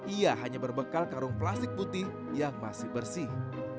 ia hanya berbekal karung plastik putih yang masih bersih